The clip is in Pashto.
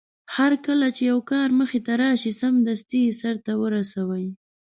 هرکله چې يو کار مخې ته راشي سمدستي يې سرته ورسوي.